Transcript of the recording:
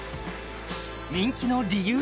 人気の理由